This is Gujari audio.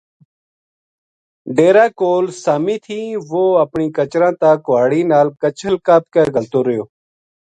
ڈیرا کول سامی تھی وُہ اپنی کچراں تا کُہاڑی نال کَچھل کَپ کے گھَلتو رہیو